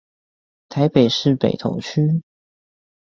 台北市北投區